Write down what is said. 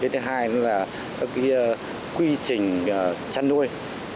thứ hai là quy trình chăn nuôi